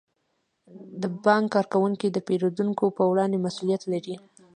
د بانک کارکوونکي د پیرودونکو په وړاندې مسئولیت لري.